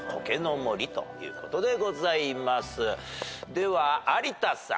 では有田さん。